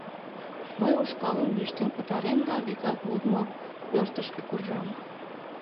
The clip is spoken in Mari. Мый ушкалым лӱштен пытарем да вигак лудмо пӧртышкӧ куржам.